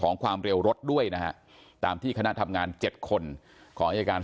ความเร็วรถด้วยนะฮะตามที่คณะทำงาน๗คนของอายการ